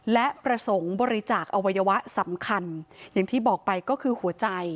และประสงค์บริจาคอวัยวะสำคัญอย่างที่บอกไปก็คือหัวใจ